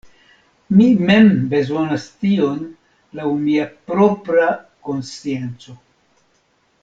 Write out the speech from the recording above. Mi mem bezonas tion laŭ mia propra konscienco.